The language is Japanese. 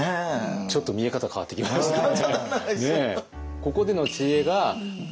ちょっと見え方変わってきましたね。